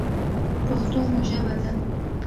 پښتو مو ژبه ده.